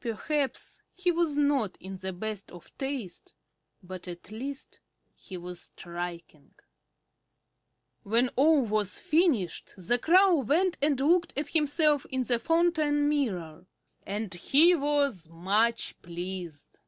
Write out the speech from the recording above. Perhaps he was not in the best of taste, but at least he was striking. When all was finished the Crow went and looked at himself in the fountain mirror; and he was much pleased.